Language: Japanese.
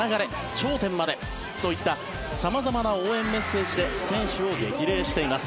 頂点まで！」といった様々な応援メッセージで選手を激励しています。